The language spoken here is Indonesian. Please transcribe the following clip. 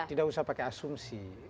tidak usah pakai asumsi